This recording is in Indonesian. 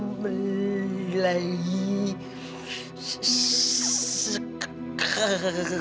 mau beli lagi sekarang